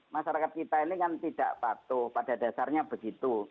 masyarakat kita ini kan tidak patuh pada dasarnya begitu